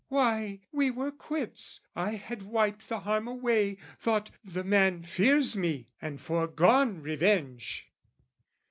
"Why, we were quits I had wiped the harm away, "Thought 'The man fears me!' and foregone revenge."